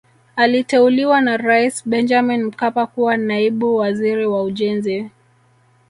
Aliteuliwa na Rais Benjamin Mkapa kuwa Naibu Waziri wa Ujenzi